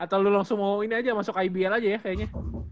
atau lu langsung mau ini aja masuk ibl aja ya kayaknya